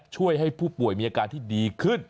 ช่วยให้ผู้ป่วยมีอาการที่ดีขึ้น